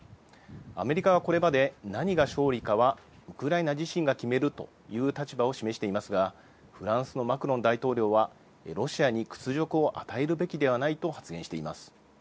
アメリカはこれまで何が勝利かはウクライナ自身が決めるという立場を示していますがフランスのマクロン大統領はロシアに屈辱を与えるべきではないと発言しています。